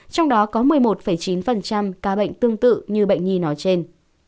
trong đó có một mươi một chín ca bệnh tương tự như bệnh nhi nói trên